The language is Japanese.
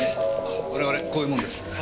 我々こういう者です。